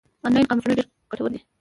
آنلاین قاموسونه ډېر ګټور دي.